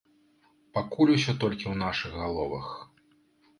Пакуль усё толькі ў нашых галовах.